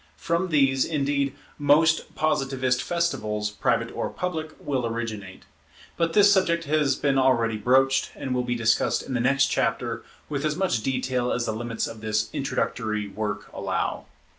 From these, indeed, most Positivist festivals, private or public, will originate. But this subject has been already broached, and will be discussed in the next chapter with as much detail as the limits of this introductory work allow.